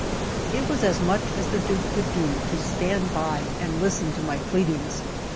LXXIV IT was as much as the Duke could do to stand by and listen to my pleadings.